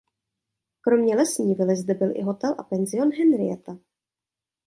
Kromě lesní vily zde byl i hotel a penzion "Henrietta".